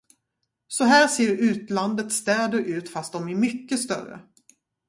Så här ser utlandets städer ut fast de är mycket större.